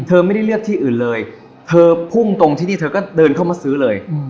เธอไม่ได้เลือกที่อื่นเลยเธอพุ่งตรงที่นี่เธอก็เดินเข้ามาซื้อเลย